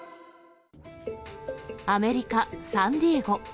アメリカ・サンディエゴ。